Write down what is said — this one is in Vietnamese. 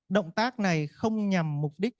động tác này không nhằm mục đích